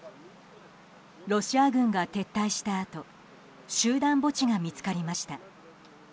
ロシア軍が撤退したあと集団墓地が見つかりました。